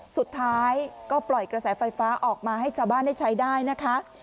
สุดท้ายก็ปล่อยกระแสไฟฟ้าออกมาให้ชาวบ้านได้ใช้ได้นะคะ